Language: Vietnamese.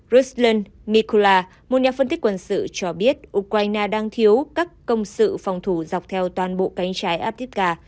ruslan mikula một nhà phân tích quân sự cho biết ukraine đang thiếu các công sự phòng thủ dọc theo toàn bộ cánh trái abdiplka